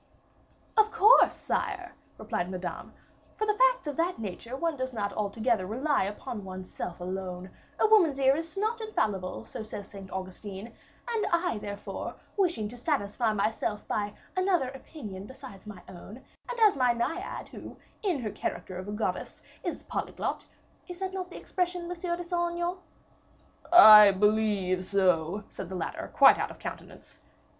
"Of course, sire," replied Madame, "for facts of that nature one does not altogether rely upon one's self alone; a woman's ear is not infallible, so says Saint Augustine; and I, therefore, wished to satisfy myself by other opinions beside my own, and as my Naiad, who, in her character of a goddess, is polyglot, is not that the expression, M. de Saint Aignan?" "I believe so," said the latter, quite out of countenance.